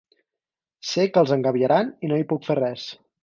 Sé que els engabiaran i no hi puc fer res.